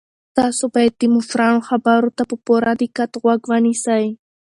تاسو باید د مشرانو خبرو ته په پوره دقت غوږ ونیسئ.